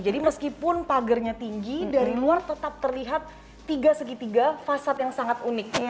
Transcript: jadi meskipun pagernya tinggi dari luar tetap terlihat tiga segitiga fasad yang sangat unik